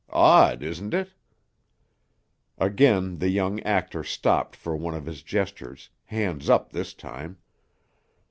Odd, isn't it?" Again the young actor stopped for one of his gestures, hands up this time.